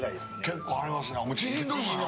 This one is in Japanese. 結構ありますね。